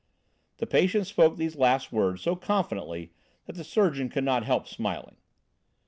The patient spoke these last words so confidently that the surgeon could not help smiling.